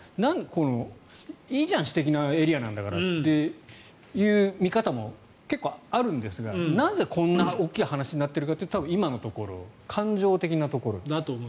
いいじゃん私的なエリアなんだからという見方も結構あるんですがなぜ、こんな大きな話になっているかというと今のところ、感情的なところ。